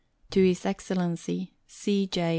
His Excellency C. J.